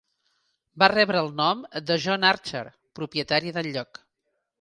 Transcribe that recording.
Va rebre el nom de John Archer, propietari del lloc.